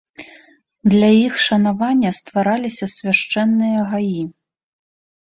Для іх шанавання ствараліся свяшчэнныя гаі.